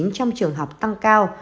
trong trường học tăng cao